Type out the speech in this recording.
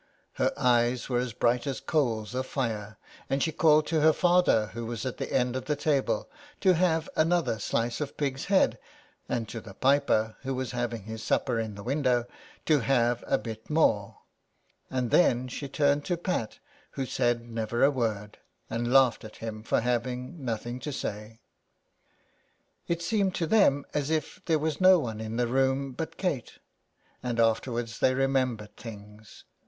Her eyes were as bright as coals of fire, and she called to her father, who was at the end of the table, to have another slice of pig's head, and to the piper, who was having his supper in the window, to have a bit more ; and then she turned to Pat, who said never a word, and laughed at him for having nothing to say. It seemed to them as if there was no one in the room but Kate ; and afterwards they remembered things.